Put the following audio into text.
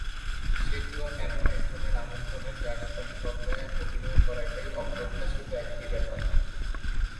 সেটিও এমন একজনের আমন্ত্রণে, যাঁর রুপালি পর্দায় অভিনয় করাটাই অপ্রত্যাশিত একটা ব্যাপার।